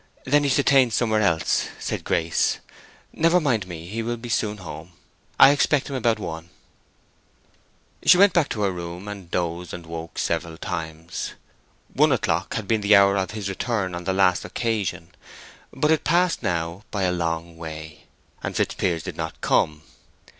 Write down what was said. "Then he's detained somewhere else," said Grace. "Never mind me; he will soon be home. I expect him about one." She went back to her room, and dozed and woke several times. One o'clock had been the hour of his return on the last occasion; but it passed now by a long way, and Fitzpiers did not come.